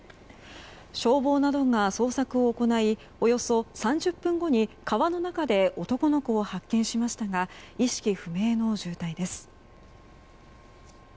消防などが捜索を行いおよそ３０分後に川の中で男の子を発見しましたが意識不明の重体です。